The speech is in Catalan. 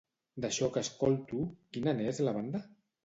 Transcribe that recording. D'això que escolto, quina n'és la banda?